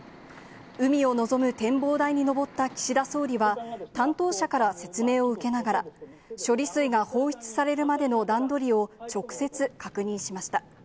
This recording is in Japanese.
海を望む展望台に上った岸田総理は、担当者から説明を受けながら、処理水が放出されるまでの段取りを直接確認しました。